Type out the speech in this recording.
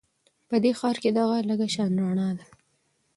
په دې ښار کې دغه لږه شان رڼا ده